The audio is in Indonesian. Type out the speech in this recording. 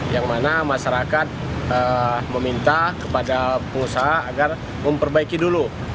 yang mana masyarakat meminta kepada pengusaha agar memperbaiki dulu